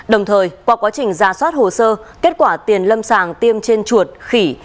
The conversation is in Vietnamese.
đồng thời qua quá trình ra soát hồ sơ kết quả tiền lâm sàng tiêm trên chuột khỉ